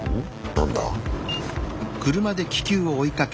何だ？